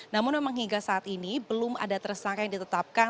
namun memang hingga saat ini belum ada tersangka yang ditetapkan